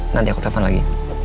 nanti aku telfon lagi